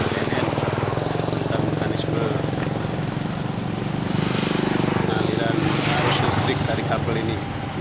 tentang mekanisme penaliran arus listrik dari kabel ini